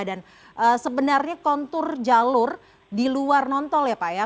dan sebenarnya kontur jalur di luar nontol ya pak ya